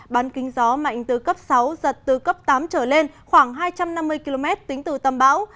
bán kính gió mạnh từ cấp sáu giật từ cấp tám trở lên khoảng hai trăm năm mươi km tính từ tâm bão